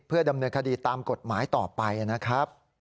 ดำเนินคดีตามกฎหมายต่อไปนะครับ